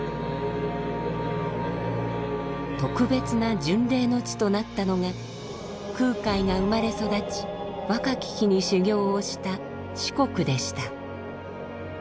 特別な巡礼の地となったのが空海が生まれ育ち若き日に修行をした四国でした。